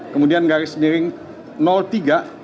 kemudian garis miring tiga